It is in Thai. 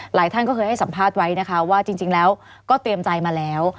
หลายท่านก็เคยให้สัมภาษณ์ไว้นะคะว่าจริงแล้วก็เตรียมใจมาแล้ว